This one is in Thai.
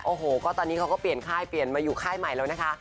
โอ้โหก็ตอนนี้เขาก็เปลี่ยนค่ายเปลี่ยนมาอยู่ค่ายใหม่แล้วนะคะ